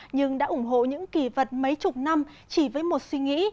nhưng đã ủng hộ những kỳ vật mấy chục năm chỉ với một suy nghĩ